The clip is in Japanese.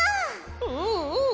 うんうん。